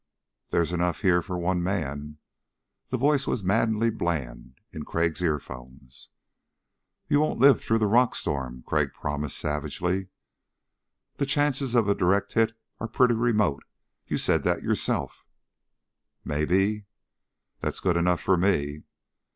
"There's enough here for one man." The voice was maddeningly bland in Crag's earphones. "You won't live through the rockstorm," Crag promised savagely. "The chances of a direct hit are pretty remote. You said that yourself." "Maybe...." "That's good enough for me."